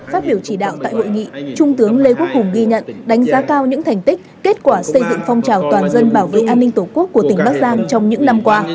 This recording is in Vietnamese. phát biểu chỉ đạo tại hội nghị trung tướng lê quốc hùng ghi nhận đánh giá cao những thành tích kết quả xây dựng phong trào toàn dân bảo vệ an ninh tổ quốc của tỉnh bắc giang trong những năm qua